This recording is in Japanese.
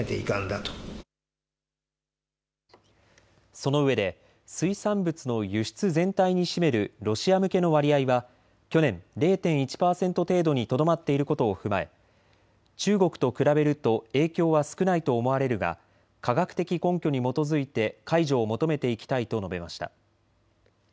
そのうえで水産物の輸出全体に占めるロシア向けの割合は去年０．１％程度にとどまっていることを踏まえ中国と比べると影響は少ないと思われるが科学的根拠に基づいて解除を求めていきたいと述べました。